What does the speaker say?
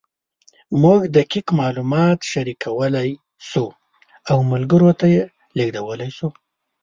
موږ دقیق معلومات شریکولی شو او ملګرو ته یې لېږدولی شو.